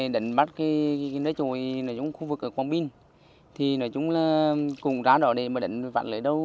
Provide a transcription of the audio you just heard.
đến bắt cái lưới trồi khu vực ở quảng binh thì nói chung là cũng ra đó để mà đánh vạn lưới đâu